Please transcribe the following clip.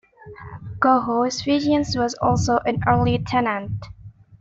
Cohoes Fashions was also an early tenant.